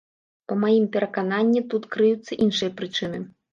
Па маім перакананні тут крыюцца іншыя прычыны.